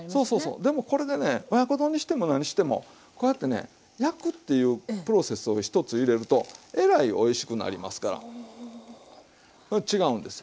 でもこれでね親子丼にしても何してもこうやってね焼くっていうプロセスを１つ入れるとえらいおいしくなりますから違うんですよ。